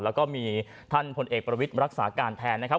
แล้วก็มีท่านพลเอกประวิทย์รักษาการแทนนะครับ